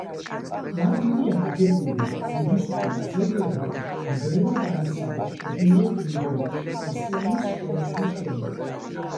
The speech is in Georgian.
მათ მიერ აგებულმა ბუდისტურმა ძეგლებმა ნგრევა განიცადეს ჩრდილოეთ ინდოეთში ისლამის შემოსვლის შემდეგ.